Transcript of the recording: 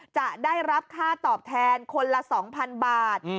จะได้รับค่าตอบแทนคนละ๒๐๐๐บาท